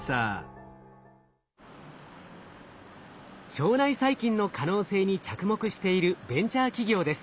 腸内細菌の可能性に着目しているベンチャー企業です。